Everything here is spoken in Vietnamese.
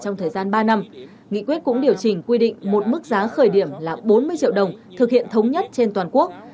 năm năm nghị quyết cũng điều chỉnh quy định một mức giá khởi điểm là bốn mươi triệu đồng thực hiện thống nhất trên toàn quốc